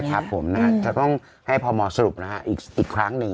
นะครับผมจะต้องให้พอมอสรุปนะฮะอีกครั้งนึง